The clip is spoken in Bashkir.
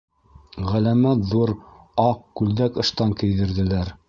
Ғәләмәт ҙур аҡ күлдәк-ыштан кейҙерҙеләр.